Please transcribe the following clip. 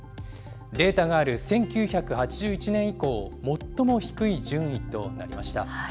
データがある１９８１年以降、最も低い順位となりました。